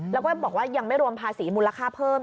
แล้วก็บอกว่ายังไม่รวมภาษีมูลค่าเพิ่ม